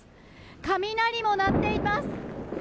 雷も鳴っています。